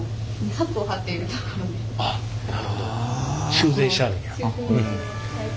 修繕してはるんや。